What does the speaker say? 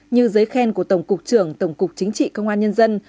như giấy khen của tổng cục trưởng tổng cục chính trị công an nhân dân